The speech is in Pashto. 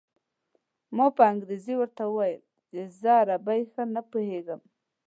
ما په انګرېزۍ ورته وویل چې زه عربي ښه نه پوهېږم.